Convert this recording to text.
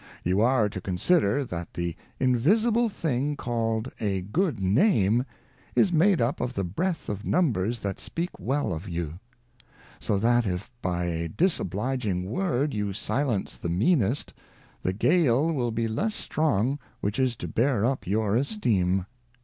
You are to consider, that the invisible thing called a Good Name, is made up of the Breath of Numbers that speak well of you ; so that if by a disobliging Word you silence the meanest, the Gale will be less strong which is to bear up your Esteem.